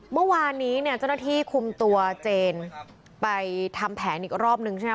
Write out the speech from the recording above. เมื่อวานนี้เนี่ยเจ้าหน้าที่คุมตัวเจนไปทำแผนอีกรอบนึงใช่ไหม